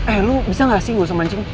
eh lu bisa gak sih gak usah mancing